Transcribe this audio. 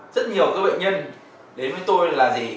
rất nhiều các bệnh nhân đến với tôi là gì